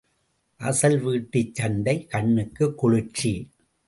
அசல் வீட்டுச் சண்டை கண்ணுக்குக் குளிர்ச்சி.